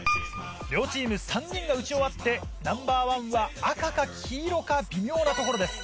両チーム３人が打ち終わってナンバー１は赤か黄色か微妙なところです。